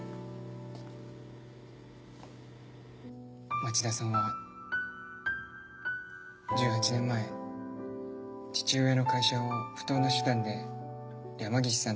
町田さんは１８年前父親の会社を不当な手段で山岸さんたちに奪われていました。